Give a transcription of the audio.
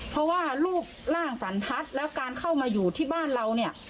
เพราะว่ารูปร่างสันทัศน์แล้วการเข้ามาอยู่ที่บ้านเราเนี่ย